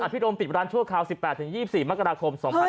ผมติดร้านชั่วคราว๑๘๒๔มกราคม